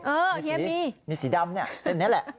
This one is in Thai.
เออเฮียมีมีสีดำนี่เส้นนี้แหละ